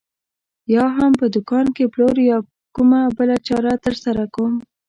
یا هم په دوکان کې پلور یا کومه بله چاره ترسره کوم.